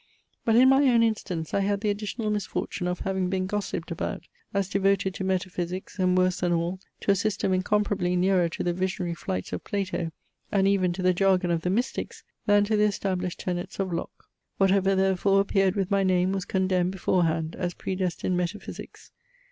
But, in my own instance, I had the additional misfortune of having been gossiped about, as devoted to metaphysics, and worse than all, to a system incomparably nearer to the visionary flights of Plato, and even to the jargon of the Mystics, than to the established tenets of Locke. Whatever therefore appeared with my name was condemned beforehand, as predestined metaphysics.